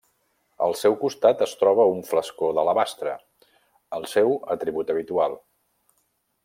Al seu costat es troba un flascó d'alabastre, el seu atribut habitual.